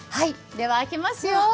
では開けますよ。